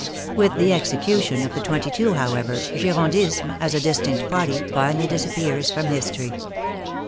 With the execution of the twenty two, however, Girondism, as a distinct party, finally disappears from history.